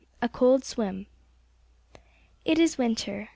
A COLD SWIM. IT is winter.